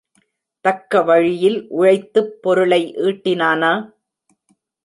தக்க வழியில் உழைத்துப் பொருளை ஈட்டினானா?